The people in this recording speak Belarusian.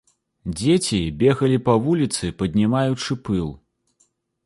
Дзеці бегалі па вуліцы, паднімаючы пыл.